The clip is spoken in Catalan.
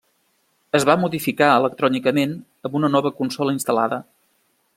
Es va modificar electrònicament amb una nova consola instal·lada.